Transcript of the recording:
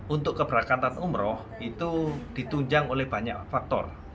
untuk keberangkatan umroh itu ditunjang oleh banyak faktor